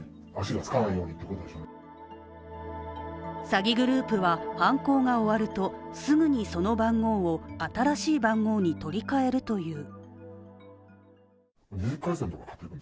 詐欺グループは犯行が終わるとすぐにその番号を新しい番号に取り替えるという。